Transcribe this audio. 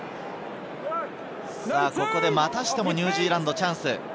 またしてもニュージーランド、チャンス。